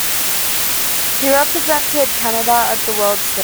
He represented Canada at the world stage.